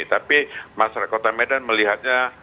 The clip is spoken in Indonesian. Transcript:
tapi masyarakat kota medan melihatnya